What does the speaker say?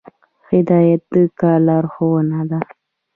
هدایت د کار لارښوونه ده